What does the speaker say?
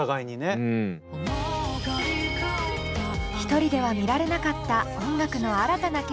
１人では見られなかった音楽の新たな景色